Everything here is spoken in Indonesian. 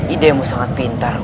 idemu sangat pintar